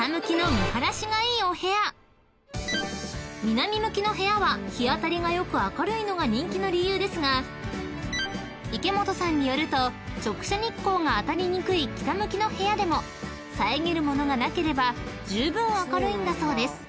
［南向きの部屋は日当たりが良く明るいのが人気の理由ですが池本さんによると直射日光が当たりにくい北向きの部屋でも遮るものがなければじゅうぶん明るいんだそうです］